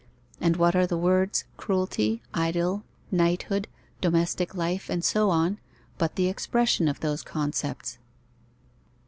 And what are the words cruelty, idyll, knighthood, domestic life, and so on, but the expression of those concepts?